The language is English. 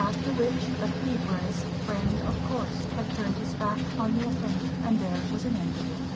After which the Hebraist friend of course had turned his back on the offender, and there was an end of it.